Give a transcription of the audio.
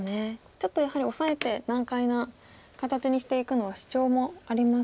ちょっとやはりオサえて難解な形にしていくのはシチョウもありますし怖かったと。